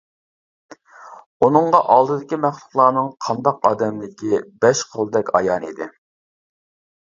ئۇنىڭغا ئالدىدىكى مەخلۇقلارنىڭ قانداق ئادەملىكى بەش قولدەك ئايان ئىدى.